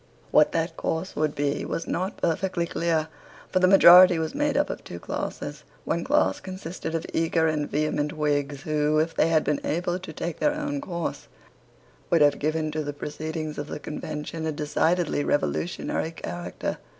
What that course would be was not perfectly clear. For the majority was made up of two classes. One class consisted of eager and vehement Whigs, who, if they had been able to take their own course, would have given to the proceedings of the Convention a decidedly revolutionary character.